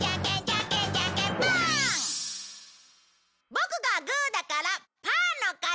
ボクがグーだからパーの勝ち。